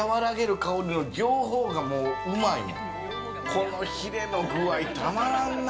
このヒレの具合たまらんな。